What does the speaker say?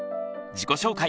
自己紹介